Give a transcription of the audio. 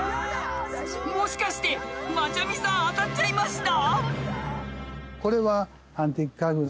もしかしてマチャミさん当たっちゃいました？